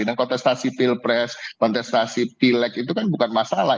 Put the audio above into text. dan kontestasi pilpres kontestasi pilek itu kan bukan masalah